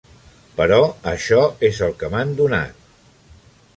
Però això és el que m'han donat.